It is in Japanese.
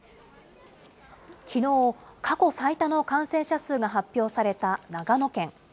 きのう、過去最多の感染者数が発表された長野県。